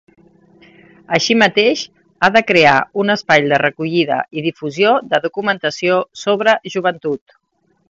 Així mateix, ha de crear un espai de recollida i difusió de documentació sobre joventut.